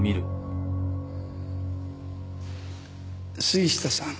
杉下さん。